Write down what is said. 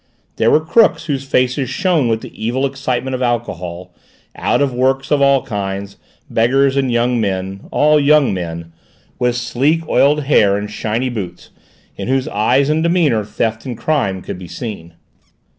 There were crooks whose faces shone with the evil excitement of alcohol, out of works of all kinds, beggars, and young men all young men with sleek oiled hair and shiny boots, in whose eyes and demeanour theft and crime could be seen.